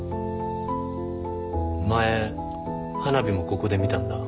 前花火もここで見たんだ。